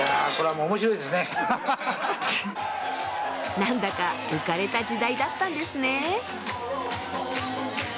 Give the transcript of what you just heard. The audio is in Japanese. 何だか浮かれた時代だったんですね。